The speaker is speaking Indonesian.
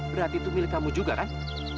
berarti itu milik kamu juga kan